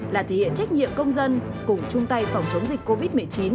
là thể hiện trách nhiệm công dân cùng chung tay phòng chống dịch covid một mươi chín